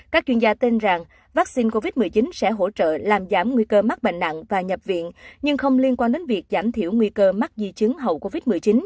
các chuyên gia tin rằng vaccine covid một mươi chín sẽ hỗ trợ làm giảm nguy cơ mắc bệnh nặng và nhập viện nhưng không liên quan đến việc giảm thiểu nguy cơ mắc di chứng hậu covid một mươi chín